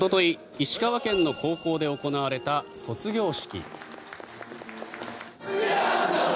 石川県の高校で行われた卒業式。